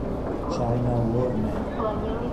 China War Medal